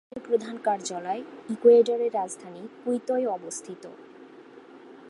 এই দলের প্রধান কার্যালয় ইকুয়েডরের রাজধানী কুইতোয় অবস্থিত।